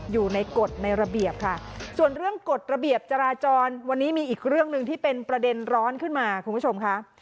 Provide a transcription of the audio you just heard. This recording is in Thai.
อยู่ในกฎในระเบียบค่ะส่วนเรื่องกฎระเบียบจราจรวันนี้มีอีกเรื่องหนึ่งที่เป็นประเด็นร้อนขึ้นมาคุณผู้ชมค่ะ